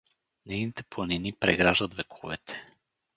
“ Нейните планини преграждат вековете.